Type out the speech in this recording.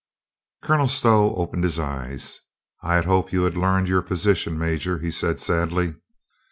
Colonel Stow opened his eyes, "I had hoped you had learned your position. Major," he said sadly.